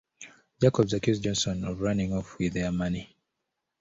Jacobs accuses Johnson of running off with their money.